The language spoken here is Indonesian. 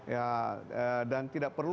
ya dan tidak perlu